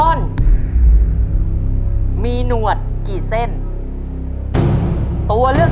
ต้นไม้ประจำจังหวัดระยองการครับ